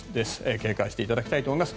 警戒していただきたいと思います。